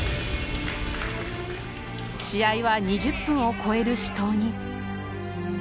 試合は２０分を超える死闘に。